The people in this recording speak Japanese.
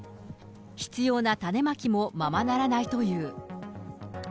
必要な種まきもままならないという。